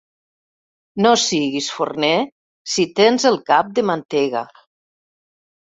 No siguis forner si tens el cap de mantega.